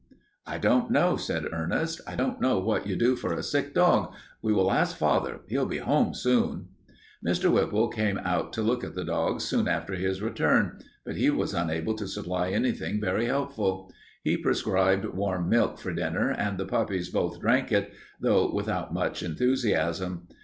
"I don't know," said Ernest. "I don't know what you do for a sick dog. We will ask father. He'll be home soon." Mr. Whipple came out to look at the dogs soon after his return, but he was unable to suggest anything very helpful. He prescribed warm milk for dinner, and the puppies both drank it, though without much enthusiasm.